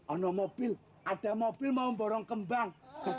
ono mobil ada mobil mau borong kembang